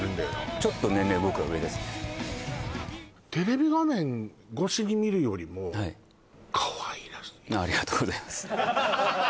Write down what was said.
ちょっと年齢僕が上ですねテレビ画面越しに見るよりもはいありがとうございます